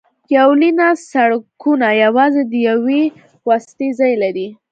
یو لینه سړکونه یوازې د یوې واسطې ځای لري